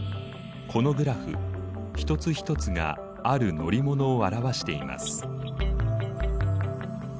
このグラフ一つ一つがある乗り物を表しています。